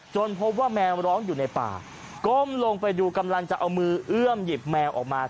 พบว่าแมวร้องอยู่ในป่าก้มลงไปดูกำลังจะเอามือเอื้อมหยิบแมวออกมา